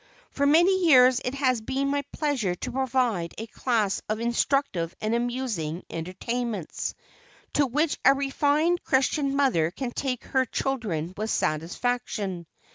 For many years it has been my pleasure to provide a class of instructive and amusing entertainments, to which a refined Christian mother can take her children with satisfaction.